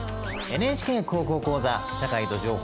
「ＮＨＫ高校講座社会と情報」。